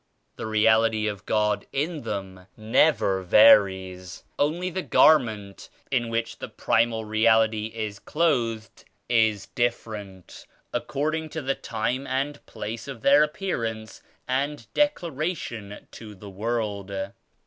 The Reality of God in them never varies; only the garment in which the Primal Reality is clothed is different according to the time and place of their Appearance and Declaration to the world.